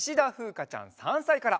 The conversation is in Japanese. かちゃん３さいから。